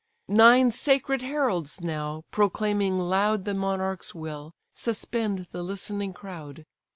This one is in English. Nine sacred heralds now, proclaiming loud The monarch's will, suspend the listening crowd.